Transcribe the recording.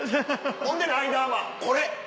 ほんでライダーマンこれ。